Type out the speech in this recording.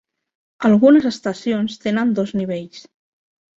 Algunes estacions tenen dos nivells.